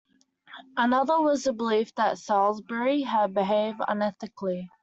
Another was the belief that Salisbury had behaved unethically.